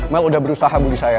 mel udah berusaha budi saya